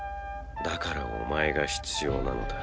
だからお前が必要なのだ。